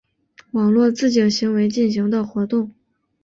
网络自警行为进行的活动。